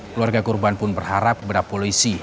keluarga korban pun berharap kepada polisi